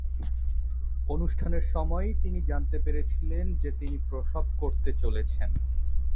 অনুষ্ঠানের সময়ই তিনি জানতে পেরেছিলেন যে তিনি প্রসব করতে চলেছেন।